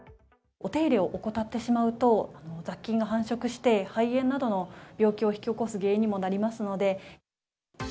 お手入れを怠ってしまうと、雑菌が繁殖して肺炎などの病気を引き起こす原因にもなりますので。